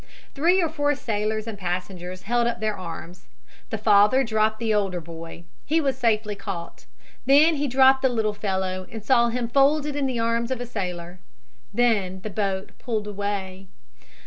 Three or four sailors and passengers held up their arms. The father dropped the older boy. He was safely caught. Then he dropped the little fellow and saw him folded in the arms of a sailor. Then the boat pulled away.